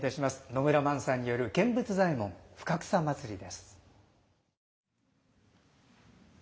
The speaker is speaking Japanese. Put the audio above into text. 野村萬さんによる「見物左衛門深草祭」です。